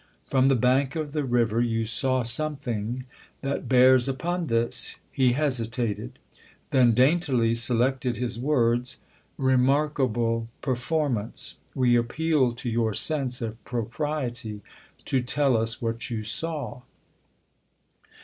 " From the bank of the river you saw something that bears upon this " he hesitated ; then daintily selected his words "remarkable performance. We appeal to your sense of propriety to tell us what you saw."